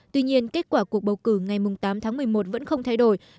tuy nhiên kết quả cuộc bầu cử ngày tám tháng một mươi một vẫn không thay đổi